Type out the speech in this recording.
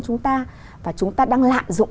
chúng ta và chúng ta đang lạm dụng